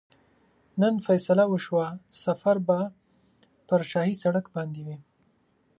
نن فیصله وشوه سفر به پر شاهي سړک باندې وي.